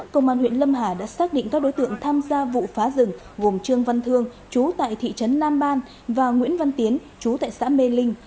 công an huyện lâm hà đã xác định các đối tượng tham gia vụ phá rừng gồm trương văn thương chú tại thị trấn nam ban và nguyễn văn tiến chú tại xã mê linh